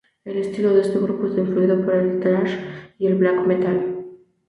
El estilo de este grupo está influido por el thrash y el black metal.